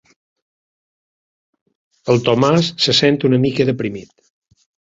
El Tomàs se sent una mica deprimit.